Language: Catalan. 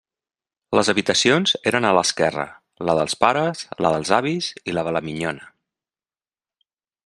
Les habitacions eren a l'esquerra: la dels pares, la dels avis i la de la minyona.